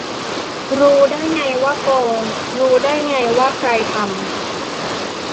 รู้ได้ไงว่าโกง รู้ได้ไงว่าใครทำ ?